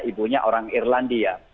ibunya orang irlandia